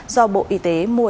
do bộ y tế mua